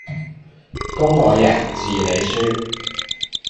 公我贏,字你輸